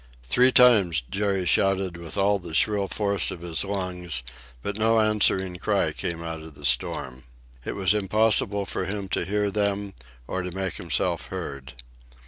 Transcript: Three times Jerry shouted with all the shrill force of his lungs, but no answering cry came out of the storm. It was impossible for him to hear them or to make himself heard.